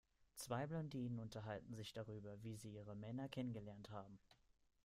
Zwei Blondinen unterhalten sich darüber, wie sie ihre Männer kennengelernt haben.